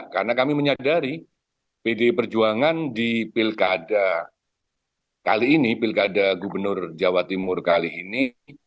karena kami menyadari pdi perjuangan di pilkada kali ini pilkada gubernur jawa timur kali ini